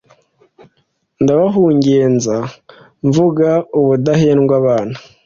ndabahugenza mvuga ubuhendwabana